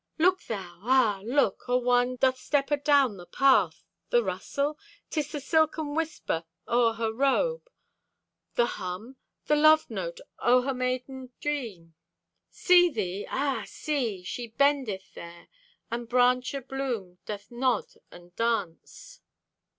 Look thou! Ah, look! A one Doth step adown the path! The rustle? 'Tis the silken whisper o' her robe. The hum? The love note o' her maiden dream. See thee, ah, see! She bendeth there, And branch o' bloom doth nod and dance.